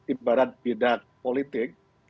ibarat bidak politik